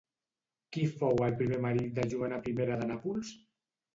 Qui fou el primer marit de Joana I de Nàpols?